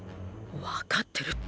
わかってるって！！